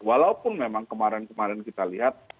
walaupun memang kemarin kemarin kita lihat